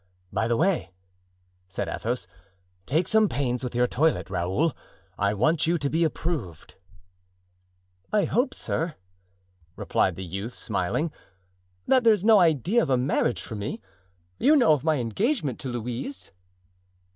"By the way," said Athos, "take some pains with your toilet, Raoul; I want you to be approved." "I hope, sir," replied the youth, smiling, "that there's no idea of a marriage for me; you know of my engagement to Louise?"